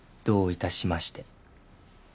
どういたしまして。